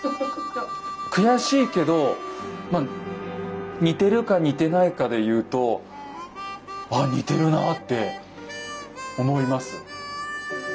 悔しいけどまあ似てるか似てないかで言うとあっ似てるなって思います。